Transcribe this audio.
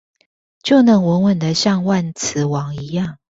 就能穩穩的像萬磁王一樣